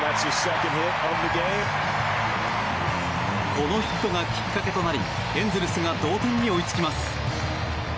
このヒットがきっかけとなりエンゼルスが同点に追いつきます。